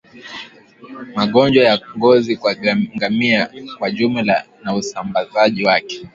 Magonjwa ya ngozi kwa ngamia kwa ujumla na usambaaji wake